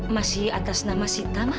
masih atas nama sita